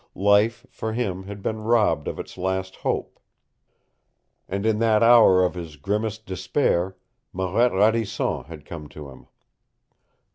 Life, for him, had been robbed of its last hope. And in that hour of his grimmest despair Marette Radisson had come to him.